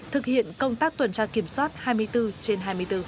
thực hiện công tác tuần tra kiểm soát hai mươi bốn trên hai mươi bốn